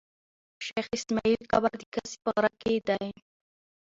شېخ اسماعیل قبر د کسي په غره کښي دﺉ.